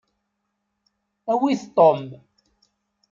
Awit Tom.